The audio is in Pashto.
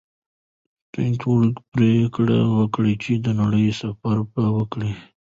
سټيونز پرېکړه وکړه چې د نړۍ سفر به وکړي.